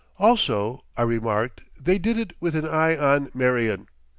Also, I remarked, they did it with an eye on Marion.